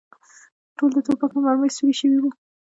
ټول د ټوپک په مرمۍ سوري شوي و.